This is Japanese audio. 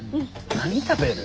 何食べる？